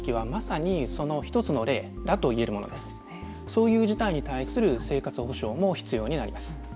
そういう事態に対する生活保障も必要になります。